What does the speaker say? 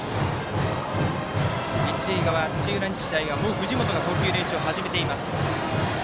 一塁側、土浦日大は藤本が投球練習を始めています。